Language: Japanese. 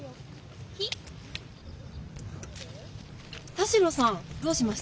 田代さんどうしました？